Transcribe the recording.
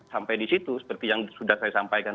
sampai di situ seperti yang sudah saya sampaikan